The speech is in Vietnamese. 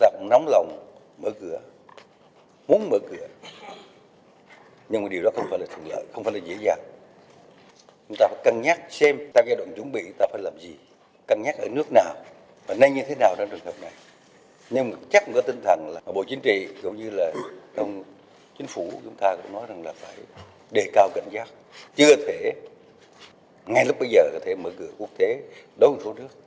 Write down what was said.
chưa thể ngay lúc bây giờ có thể mở cửa quốc tế đối với số nước